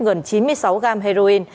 gần chín mươi sáu gram heroin